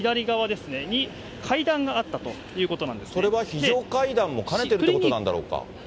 それは非常階段も兼ねてるということなんだろうか？